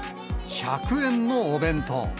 １００円のお弁当。